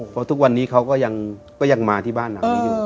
เพราะทุกวันนี้เขาก็ยังมาที่บ้านหลังนี้อยู่